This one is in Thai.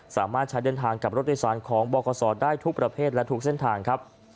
สามารถใช้เดินทางกับรถโดยสารของบคศได้ทุกประเภทและทุกเส้นทางครับ